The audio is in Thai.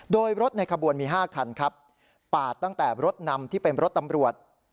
โดยรถในขบวนมี๕คันครับปาดตั้งแต่รถนำที่เป็นรถตำรวจ